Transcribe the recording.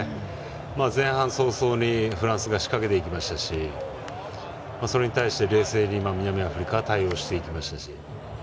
前半早々にフランスが仕掛けていきましたしそれに対して冷静に南アフリカは対応していきましたし。